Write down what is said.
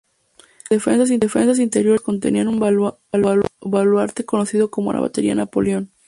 Las defensas interiores de Burgos contenían un baluarte conocido como la batería Napoleón.